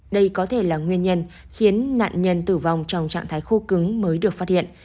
đây có thể là nguyên nhân khiến nạn nhân tử vong trong trạng thái khô cứng mới được phát hiện